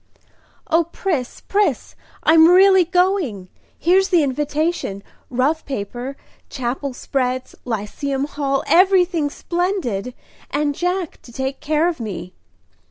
"O Pris, Pris, I'm really going! Here's the invitation rough paper Chapel spreads Lyceum Hall everything splendid; and Jack to take care of me!"